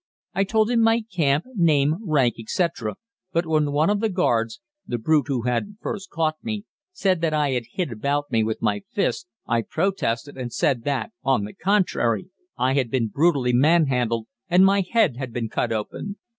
I told him my camp, name, rank, etc., but when one of the guards (the brute who had first caught me) said that I had hit about me with my fists, I protested and said that, on the contrary, I had been brutally man handled and my head had been cut open.